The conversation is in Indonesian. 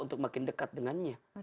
untuk makin dekat dengannya